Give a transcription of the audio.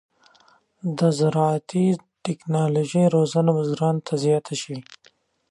د زراعتي تکنالوژۍ روزنه بزګرانو ته زیاته شي.